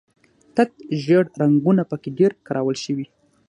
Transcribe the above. تت ژیړ رنګونه په کې ډېر کارول شوي.